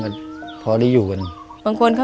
เมื่อ